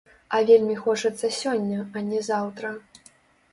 А вельмі хочацца сёння, а не заўтра.